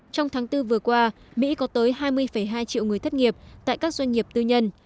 trong tháng bốn vừa qua mỹ có tới hai mươi hai triệu người thất nghiệp tại các doanh nghiệp tư nhân